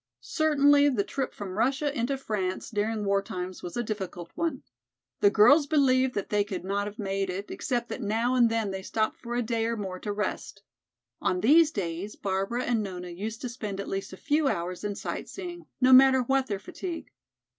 Certainly the trip from Russia into France during war times was a difficult one. The girls believed that they could not have made it, except that now and then they stopped for a day or more to rest. On these days Barbara and Nona used to spend at least a few hours in sightseeing, no matter what their fatigue.